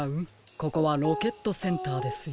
ここはロケットセンターですよ。